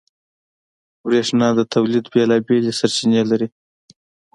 برېښنا د تولید بېلابېل سرچینې لري.